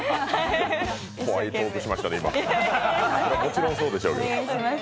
怖いトークしましたね、今、もちろんそうでしょうけど。